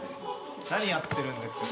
何やってるんですか？